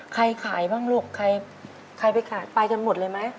ขายบ้างลูกใครไปขายไปกันหมดเลยไหม